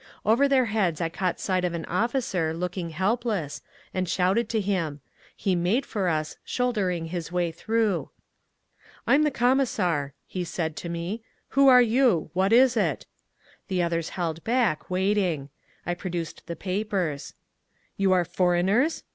Over their heads I caught sight of an officer, looking helpless, and shouted to him. He made for us, shouldering his way through. "I'm the Commissar," he said to me. "Who are you? What is it?" The others held back, waiting. I produced the papers. "You are foreigners?"